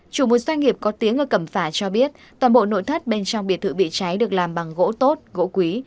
chủ một doanh nghiệp có tiếng ở cẩm phả cho biết toàn bộ nội thất bên trong biệt thự bị cháy được làm bằng gỗ tốt gỗ quý